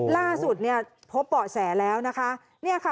ล่าสุดพบเบาะแสแล้วนะคะ